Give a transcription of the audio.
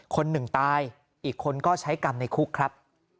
คนหนึ่งตายอีกคนก็ใช้กรรมในคุกครับ